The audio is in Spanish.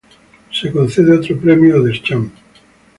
Otro premio se concede a Deschamps.